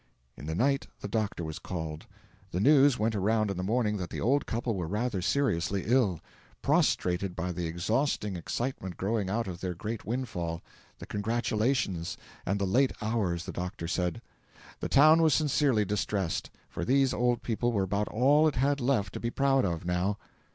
In the night the doctor was called. The news went around in the morning that the old couple were rather seriously ill prostrated by the exhausting excitement growing out of their great windfall, the congratulations, and the late hours, the doctor said. The town was sincerely distressed; for these old people were about all it had left to be proud of, now.